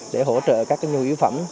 để hỗ trợ các nhu yếu phẩm